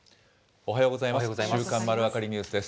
おはようございます。